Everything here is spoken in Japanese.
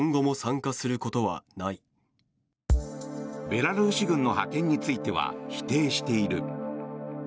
ベラルーシ軍の派遣については否定している。